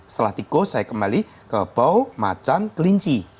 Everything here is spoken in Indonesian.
setelah tikus saya kembali ke bau macan kelinci